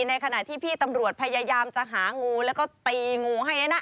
ในขณะที่พี่ตำรวจพยายามจะหางูแล้วก็ตีงูให้นะ